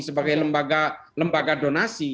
sebagai lembaga donasi